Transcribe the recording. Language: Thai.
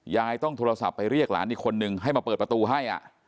ยายต้องโทรศัพท์ไปเรียกหลานอีกคนนึงให้มาเปิดประตูให้